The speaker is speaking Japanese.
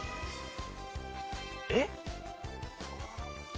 えっ？